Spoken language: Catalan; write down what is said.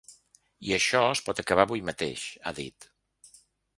I això es pot acabar avui mateix, ha dit.